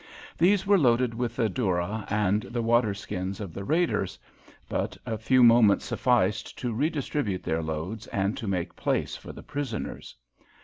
These were loaded with the doora and the water skins of the raiders, but a few minutes sufficed to redistribute their loads and to make place for the prisoners.